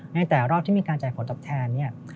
ในแต่รอบที่มีการจ่ายผลตอบแทนเนี่ย